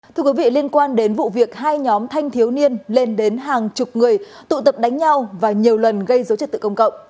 thưa quý vị liên quan đến vụ việc hai nhóm thanh thiếu niên lên đến hàng chục người tụ tập đánh nhau và nhiều lần gây dối trật tự công cộng